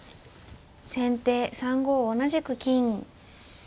先手３五同じく金。